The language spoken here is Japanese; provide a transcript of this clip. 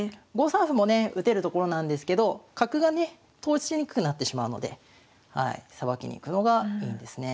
５三歩もね打てるところなんですけど角がね通しにくくなってしまうのでさばきにいくのがいいんですね。